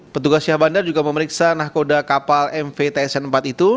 petugas syah bandar juga memeriksa nahkoda kapal mv tsn empat itu